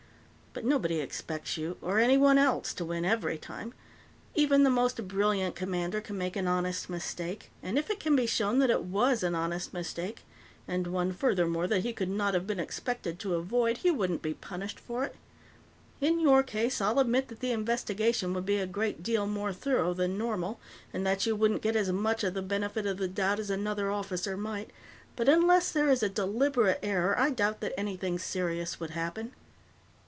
But nobody expects you, or anyone else, to win every time. Even the most brilliant commander can make an honest mistake, and if it can be shown that it was an honest mistake, and one, furthermore, that he could not have been expected to avoid, he wouldn't be punished for it. In your case, I'll admit that the investigation would be a great deal more thorough than normal, and that you wouldn't get as much of the benefit of the doubt as another officer might, but unless there is a deliberate error I doubt that anything serious would happen."